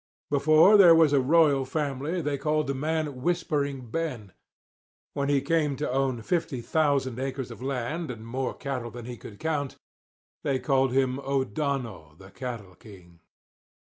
Before there was a royal family they called the man "Whispering Ben." When he came to own 50,000 acres of land and more cattle than he could count, they called him O'Donnell "the Cattle King."